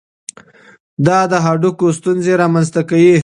دا د هډوکو ستونزې رامنځته کوي.